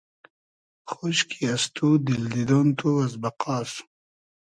خۉشکی از تو دیل دیدۉن تو از بئقاس